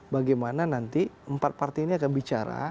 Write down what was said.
bagaimana nanti empat partai ini akan bicara